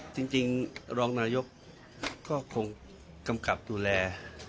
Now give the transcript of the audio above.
จริงรองนายกก็คงกำกับดูแล